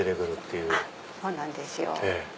そうなんですよ。